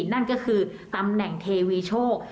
นั่นก็คือตำแหน่งเทวีโชค